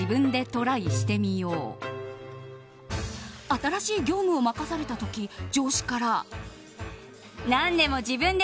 新しい業務を任された時上司から。